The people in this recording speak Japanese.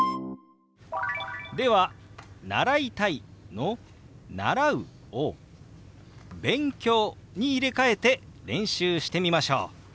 では「習いたい」の「習う」を「勉強」に入れ替えて練習してみましょう。